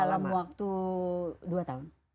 dalam waktu dua tahun